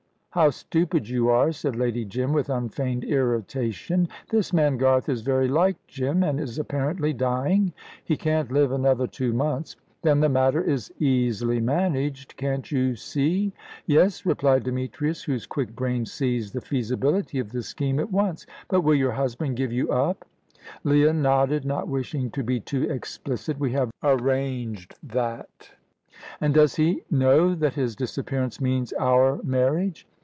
"How stupid you are," said Lady Jim, with unfeigned irritation. "This man Garth is very like Jim, and is apparently dying " "He can't live another two months." "Then the matter is easily managed. Can't you see?" "Yes," replied Demetrius, whose quick brain seized the feasibility of the scheme at once. "But will your husband give you up?" Leah nodded, not wishing to be too explicit. "We have arranged that." "And does he know that his disappearance means our marriage?"